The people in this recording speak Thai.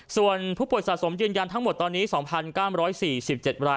ส่วนผู้ป่วยสะสมยืนยันทั้งหมดตอนนี้๒๙๔๗ราย